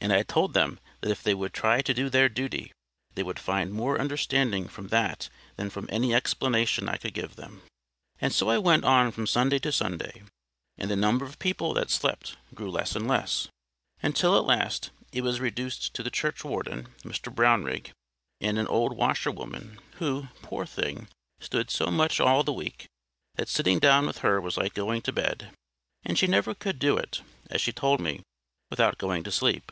And I told them that if they would try to do their duty, they would find more understanding from that than from any explanation I could give them. And so I went on from Sunday to Sunday. And the number of people that slept grew less and less, until, at last, it was reduced to the churchwarden, Mr Brownrigg, and an old washerwoman, who, poor thing, stood so much all the week, that sitting down with her was like going to bed, and she never could do it, as she told me, without going to sleep.